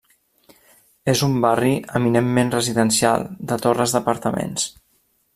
És un barri eminentment residencial, de torres d'apartaments.